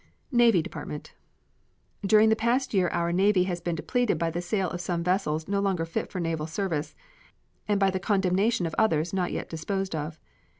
NAVY DEPARTMENT. During the past year our Navy has been depleted by the sale of some vessels no longer fit for naval service and by the condemnation of others not yet disposed of.